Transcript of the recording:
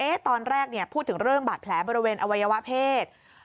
ก็ยังคาใจว่าตอนแรกพูดถึงเรื่องบาดแผลบริเวณอวัยวะเพศ